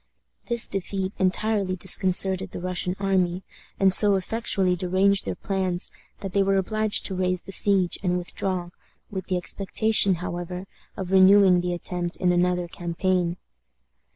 This defeat entirely disconcerted the Russian army, and so effectually deranged their plans that they were obliged to raise the siege and withdraw, with the expectation, however, of renewing the attempt in another campaign.